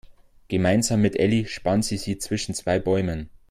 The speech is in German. Gemeinsam mit Elli spannt sie sie zwischen zwei Bäumen.